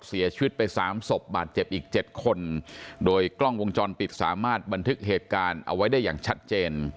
เสียชีวิตไปสามศพบาดเจ็บอีกเจ็ดคนโดยกล้องวงจรปิดสามารถบันทึกเหตุการณ์เอาไว้ได้อย่างชัดเจน